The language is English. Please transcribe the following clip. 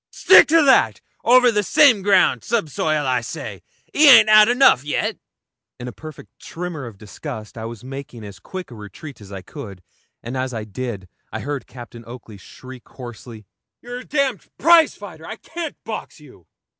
'Stick to that. Over the same ground subsoil, I say. He han't enough yet.' In a perfect tremor of disgust, I was making as quick a retreat as I could, and as I did, I heard Captain Oakley shriek hoarsely 'You're a d prizefighter; I can't box you.'